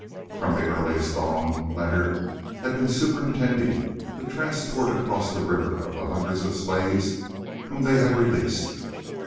From the earliest dawn Leonard had been superintending the transport across the river of the hundreds of slaves whom they had released.